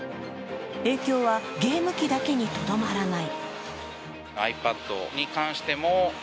影響はゲーム機だけにとどまらない。